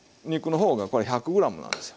方がこれ１００ｇなんですよ。